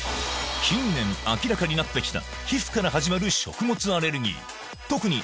近年明らかになってきた